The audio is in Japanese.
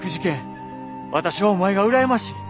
私はお前が羨ましい。